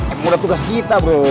emang udah tugas kita bro